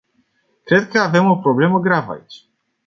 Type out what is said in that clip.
Cred că avem o problemă gravă aici.